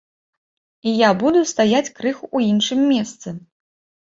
І я буду стаяць крыху ў іншым месцы.